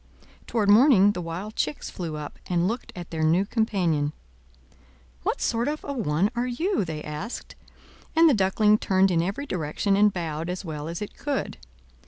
Toward morning the wild chicks flew up, and looked at their new companion. "What sort of a one are you?" they asked; and the Duckling turned in every direction, and bowed as well as it could.